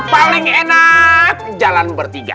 paling enak jalan bertiga